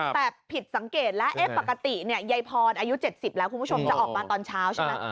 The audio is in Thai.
แต่ผิดสังเกตแล้วปกติยายพรอายุ๗๐แล้วคุณผู้ชมจะออกมาตอนเช้าใช่ไหม